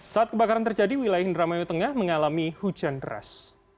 saat kebakaran terjadi wilayah indramayu tengah mengalami hujan deras